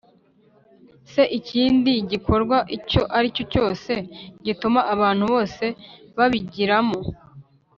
Se ikindi gikorwa icyo ari cyo cyose gituma abantu bose babigiramo